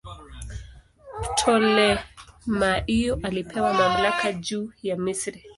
Ptolemaio alipewa mamlaka juu ya Misri.